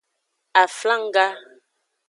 Aflangga.